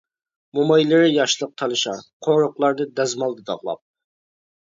مومايلىرى ياشلىق تالىشار، قورۇقلارنى دەزمالدا داغلاپ.